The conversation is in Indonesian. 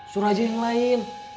suruh aja yang lain